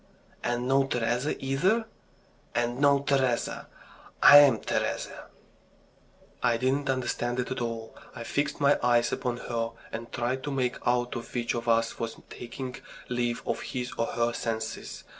"And no Teresa either?" "And no Teresa. I'm Teresa." I didn't understand it at all. I fixed my eyes upon her, and tried to make out which of us was taking leave of his or her senses.